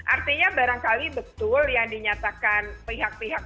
artinya barangkali betul yang dinyatakan pihak pihak